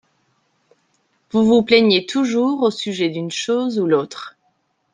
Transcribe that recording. Vous vous plaignez toujours au sujet d’une chose ou l’autre.